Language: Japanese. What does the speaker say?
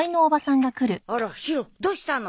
あらシロどうしたの？